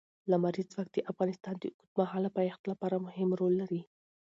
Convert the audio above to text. لمریز ځواک د افغانستان د اوږدمهاله پایښت لپاره مهم رول لري.